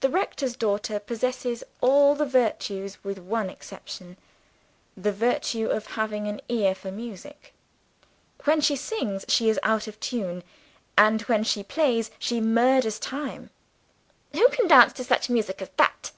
The rector's daughter possesses all the virtues, with one exception the virtue of having an ear for music. When she sings, she is out of tune; and, when she plays, she murders time. "Who can dance to such music as that?"